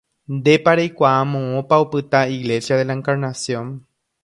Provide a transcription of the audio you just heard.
Ndépa reikuaa moõpa opyta Iglesia de la Encarnación.